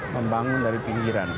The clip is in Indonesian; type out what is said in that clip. membangun dari pinggiran